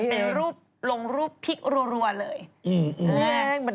เป็นรูปลงรูปพริกรัวเลย